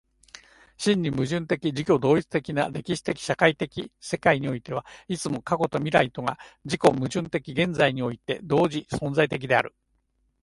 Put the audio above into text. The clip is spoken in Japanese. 真に矛盾的自己同一的な歴史的社会的世界においては、いつも過去と未来とが自己矛盾的に現在において同時存在的である。